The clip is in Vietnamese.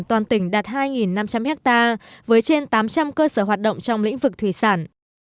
toàn tỉnh đạt hai năm trăm linh hectare với trên tám trăm linh cơ sở hoạt động trong lĩnh vực thủy sản